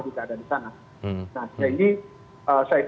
juga ada di sana nah jadi